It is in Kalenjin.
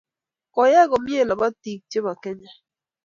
Koyay komie lobotii che bo Kenya.